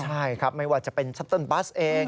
ใช่ครับไม่ว่าจะเป็นชัตเติ้ลบัสเอง